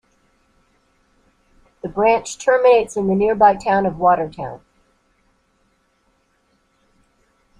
The branch terminates in the nearby town of Watertown.